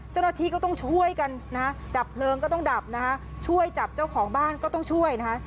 เจ้าหน้าที่ก็ต้องช่วยกันนะฮะดับเพลิงก็ต้องดับนะฮะช่วยจับเจ้าของบ้านก็ต้องช่วยนะฮะ